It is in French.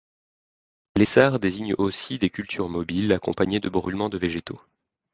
L'essart désigne aussi des cultures mobiles, accompagnées de brûlements de végétaux.